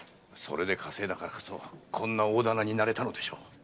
それで稼いだからこそこんな大店になれたのでしょう。